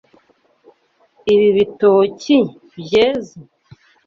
Ibi bitoki byeze?